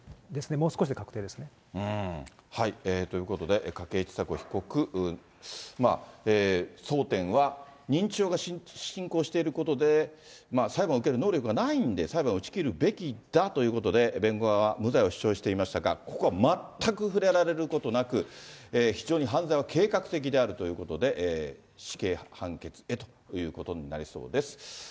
もう少しで確定ですね。ということで、筧千佐子被告、争点は認知症が進行していることで、裁判を受ける能力がないんで、裁判を打ち切るべきだということで、弁護側は無罪を主張していましたが、ここは全く触れられることなく、非常に犯罪は計画的であるということで、死刑判決へということになりそうです。